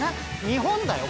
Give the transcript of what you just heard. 日本だよ